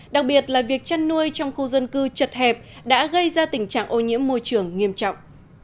đặc biệt là việc chăn nuôi trong khu dân cư chật hẹp đã gây ra tình trạng ô nhiễm môi trường nghiêm trọng